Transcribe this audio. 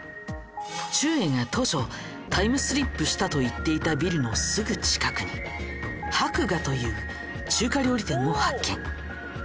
ちゅうえいが当初タイムリップしたと言っていたビルのすぐ近くに博雅という中華料理店を発見。